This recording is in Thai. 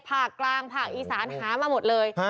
ผ่ากกลางผ่ากอีสานหามาหมดเลย